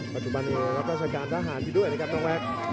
ปัจจุบันนี้รับราชการทหารอยู่ด้วยนะครับน้องแว็ก